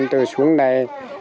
từ xuống đây